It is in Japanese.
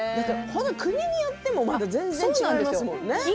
国によっても全然違うんですよね。